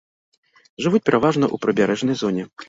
Жывуць пераважна ў прыбярэжнай зоне.